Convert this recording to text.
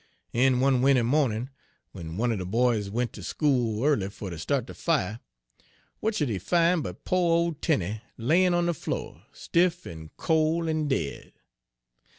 En one winter mawnin', w'en one er de boys went ter school early fer ter start de fire, w'at should he fin' but po' ole Tenie, layin' on de flo', stiff, en col', en dead.